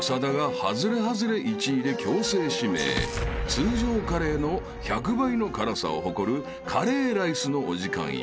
通常カレーの１００倍の辛さを誇る辛ぇライスのお時間へ］